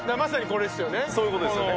そういう事ですよね。